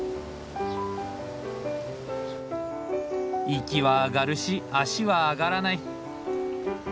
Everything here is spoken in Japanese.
息はあがるし足はあがらない。